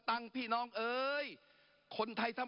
ปรับไปเท่าไหร่ทราบไหมครับ